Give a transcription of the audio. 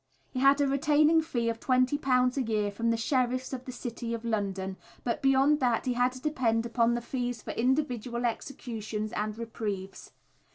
He had a retaining fee of £20 a year from the Sheriffs of the City of London, but beyond that he had to depend upon the fees for individual executions and reprieves.